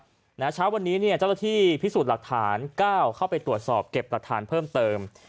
เช้าวันนี้เนี่ยเจ้าหน้าที่พิสูจน์หลักฐาน๙เข้าไปตรวจสอบเก็บหลักฐานเพิ่มเติม